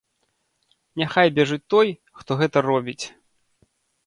Няхай бяжыць той, хто гэта робіць.